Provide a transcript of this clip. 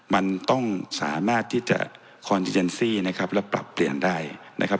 มันต้องสามารถที่จะนะครับและปรับเปลี่ยนได้นะครับ